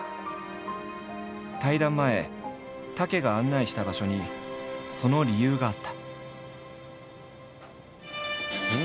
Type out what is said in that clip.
対談前武が案内した場所にその理由があった。